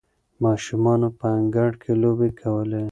ماشومانو په انګړ کې لوبې کولې.